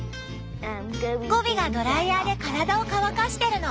ゴビがドライヤーで体を乾かしてるの。